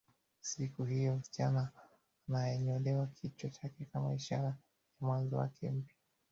Siku hiyo msichana ananyolewa kichwa chake kama ishara yamwanzo wake mpya